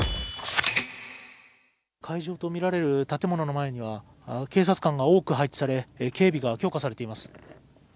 会場と見られる建物の前には警察官が多く配置され、警備が強化されています。